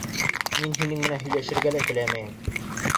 Мин һинең менән һөйләшергә лә теләмәйем!